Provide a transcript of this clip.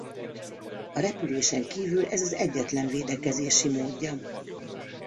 A repülésen kívül ez az egyetlen védekezési módja.